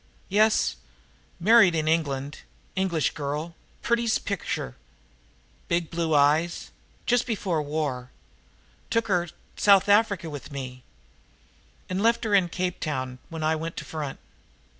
Yes married in England English girl, pretty's picture big blue eyes just before war took her South Africa with me, 'n left her in Cape Town when I went to front.